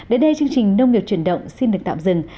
đến đây chương trình nông nghiệp chuyển động xin được tạm dừng